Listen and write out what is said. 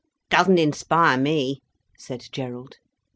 "Doesn't inspire me," said Gerald.